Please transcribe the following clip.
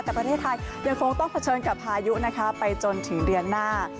แต่ประเทศไทยยังคงต้องเผชิญกับพายุนะคะไปจนถึงเดือนหน้า